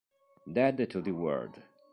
Dead to the World